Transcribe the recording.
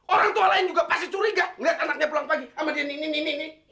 orang tua lain juga pasti curiga ngeliat anaknya pulang pagi ama dia ini ini ini